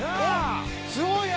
すごいな！